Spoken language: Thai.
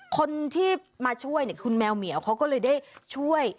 คนที่มาช่วยเนี่ยคุณแมวเหมียวเขาก็เลยได้ช่วย